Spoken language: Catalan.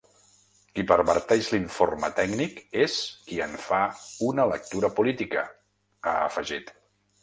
“Qui perverteix l’informe tècnic és qui en fa una lectura política”, ha afegit.